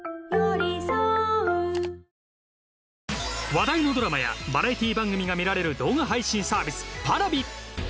話題のドラマやバラエティー番組が見られる動画配信サービスＰａｒａｖｉ。